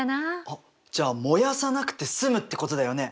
あっじゃあ燃やさなくて済むってことだよね。